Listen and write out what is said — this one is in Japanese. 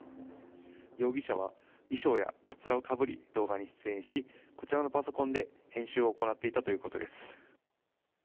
容疑者は、衣装やかつらをかぶり動画に出演しこちらのパソコンで編集を行っていたということです。